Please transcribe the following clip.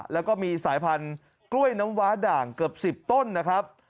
แล้วก็มีสายพันธุ์กล้วยน้ำว้าด่างเกือบ๑๐ต้นนะครับ